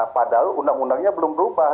padahal undang undangnya belum berubah